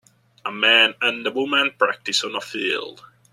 A man and a woman practice on a field.